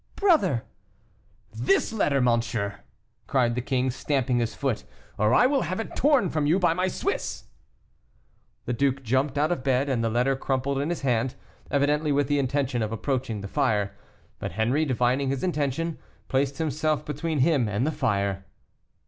"Brother!" "This letter, monsieur!" cried the king, stamping his foot, "or I will have it torn from you by my Swiss!" The duke jumped out of bed, with the letter crumpled in his hand, evidently with the intention of approaching the fire. But Henri, divining his intention, placed himself between him and the fire.